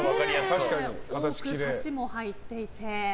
多くサシも入っていて。